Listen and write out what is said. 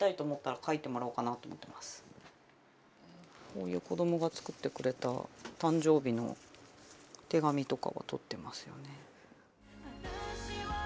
こういう子どもが作ってくれた誕生日の手紙とかはとってますよね。